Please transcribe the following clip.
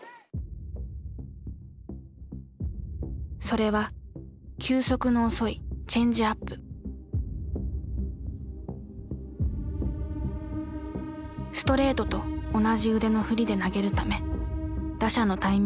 それは球速の遅いストレートと同じ腕の振りで投げるため打者のタイミングを外すことができる。